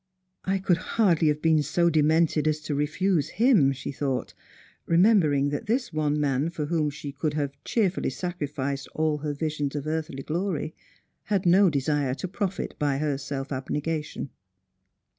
" i could hardly have been so demented as to refuse him," she thought, remembering that this one man for whom she could have so cheerfully sa.riticod all her visions of earthly glory had no desire to profit by her self abnegation.